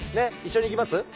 一緒に行きます？